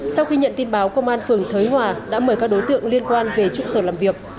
sau khi nhận tin báo công an phường thới hòa đã mời các đối tượng liên quan về trụ sở làm việc